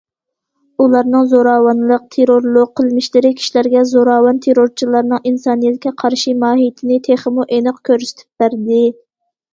ئۇلارنىڭ زوراۋانلىق، تېررورلۇق قىلمىشلىرى كىشىلەرگە زوراۋان تېررورچىلارنىڭ ئىنسانىيەتكە قارشى ماھىيىتىنى تېخىمۇ ئېنىق كۆرسىتىپ بەردى.